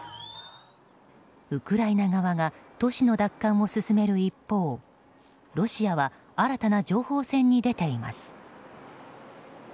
ウクライナ側が都市の奪還を進める一方ロシアは新たな情報戦に出ています。